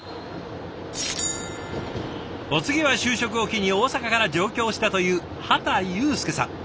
お次は就職を機に大阪から上京したという畑祐輔さん。